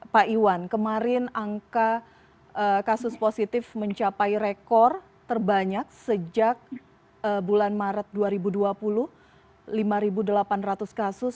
pak iwan kemarin angka kasus positif mencapai rekor terbanyak sejak bulan maret dua ribu dua puluh lima delapan ratus kasus